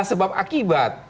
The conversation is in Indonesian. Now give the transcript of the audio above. bukan sebab akibat